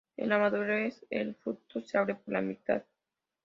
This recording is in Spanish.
En la madurez el fruto se abre por la mitad.